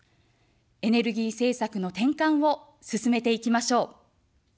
エネルギー政策の転換を進めていきましょう。